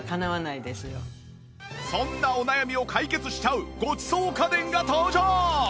そんなお悩みを解決しちゃうごちそう家電が登場！